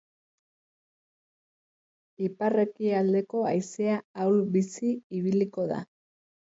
Ipar-ekialdeko haizea ahul-bizi ibiliko da.